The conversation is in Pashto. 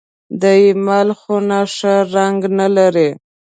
د اېمل خونه ښه رنګ نه لري .